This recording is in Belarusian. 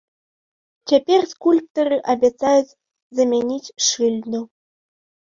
Цяпер скульптары абяцаюць замяніць шыльду.